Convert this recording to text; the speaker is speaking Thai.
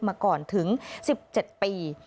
มาก่อนถึง๑๗ปี